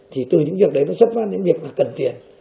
thì từ những việc đấy nó xuất phát đến những việc là cần tiền